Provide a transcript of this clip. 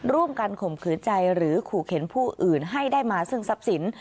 ข่มขืนใจหรือขู่เข็นผู้อื่นให้ได้มาซึ่งทรัพย์สิน